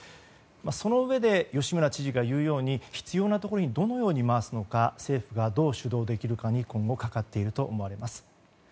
そのうえで吉村知事が言うように必要なところにどのように回すのか政府がどう主導できるかに今後かかっていると思います。